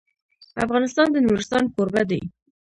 افغانستان د نورستان کوربه دی.